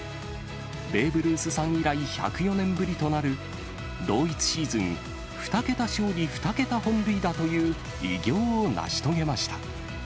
ベーブ・ルースさん以来１０４年ぶりとなる、同一シーズン２桁勝利、２桁本塁打という偉業を成し遂げました。